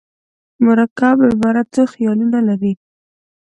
مرکب عبارت څو خیالونه لري.